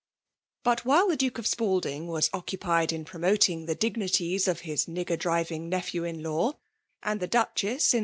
But, while the Duke of Spaldiag was.ocra^ pied in promoting the dignities, of his nigger^ driving nephew in law, and the Duchess in •V »XAUt DOKtMATIOK.